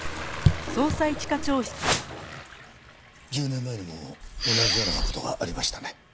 １０年前にも同じような事がありましたね。